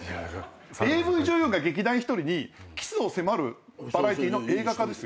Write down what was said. ＡＶ女優が劇団ひとりにキスを迫るバラエティーの映画化ですよ。